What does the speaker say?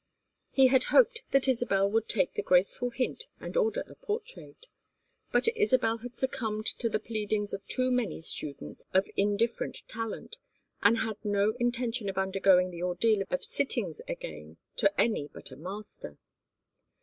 He had hoped that Isabel would take the graceful hint and order a portrait, but Isabel had succumbed to the pleadings of too many students of indifferent talent, and had no intention of undergoing the ordeal of sittings again to any but a master.